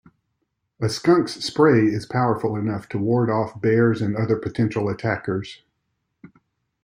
A skunk's spray is powerful enough to ward off bears and other potential attackers.